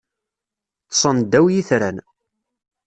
Ḍḍsen ddaw yitran.